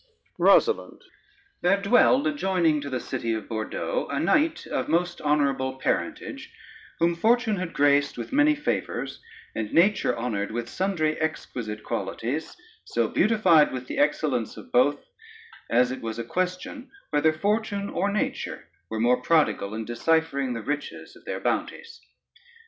ROSALYNDE There dwelled adjoining to the city of Bordeaux a knight of most honorable parentage, whom fortune had graced with many favors, and nature honored with sundry exquisite qualities, so beautified with the excellence of both, as it was a question whether fortune or nature were more prodigal in deciphering the riches of their bounties.